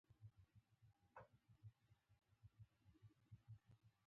د بیدیا شنو لمنو په وږمو غسل وکړ